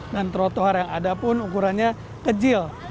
dan trotoar yang ada pun ukurannya kecil